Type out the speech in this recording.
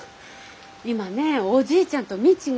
今ねおじいちゃんと未知が。